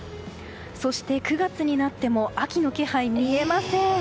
そして、９月になっても秋の気配は見えません。